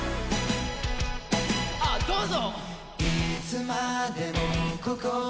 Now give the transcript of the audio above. あどうぞ！